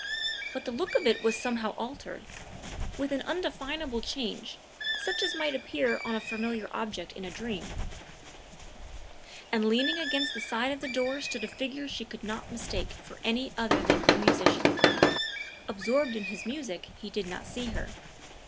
But the look of it was somehow altered with an undefinable change, such as might appear on a familiar object in a dream; and leaning against the side of the door stood a figure she could not mistake for another than her musician. Absorbed in his music, he did not see her.